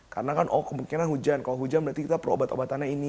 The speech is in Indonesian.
karena kan oh kemungkinan hujan kalau hujan berarti kita perlu obat obatannya ini